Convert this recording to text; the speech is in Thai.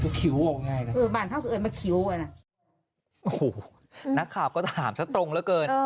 โอ้โฮนักข่าวก็ถามสักตรงแล้วเกิน